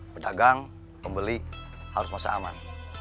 pedagang pembeli harus masa aman